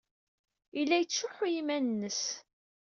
Yella yettcuḥḥu i yiman-nnes.